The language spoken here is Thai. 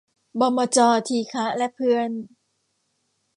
บมจ.ทีฆะและเพื่อน